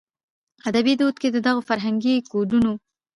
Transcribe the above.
ادبي دود کې د دغو فرهنګي کوډونو